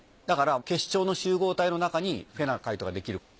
だから結晶の集合体の中にフェナカイトができる。